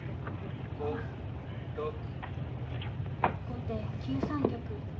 後手９三玉。